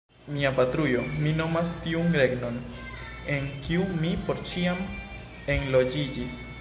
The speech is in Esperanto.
Mia patrujo mi nomas tiun regnon, en kiu mi por ĉiam enloĝiĝis.